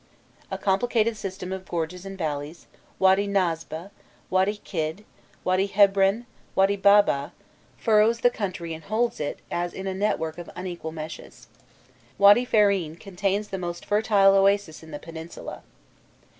A complicated system of gorges and valleys Wady Nasb, Wady Kidd, Wady Hebrân, Wady Baba furrows the country and holds it as in a network of unequal meshes. Wady Feîrân contains the most fertile oasis in the peninsula.